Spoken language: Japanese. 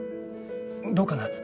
どうかな？